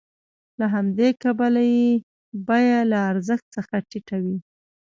له همدې کبله یې بیه له ارزښت څخه ټیټه وي